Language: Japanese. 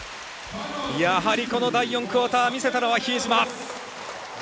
やはりこの第４クオーター見せたのは比江島。